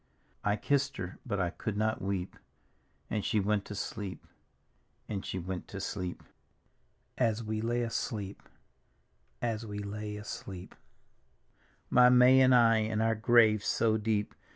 " I kissed her, but I could not weep. And she went to sleep, and she went to sleep. D,gt,, erihyGOOgle Tkt Haunted Hour 3 As we lay asleep, as we lay asleep. My May and I, in our grave so deep.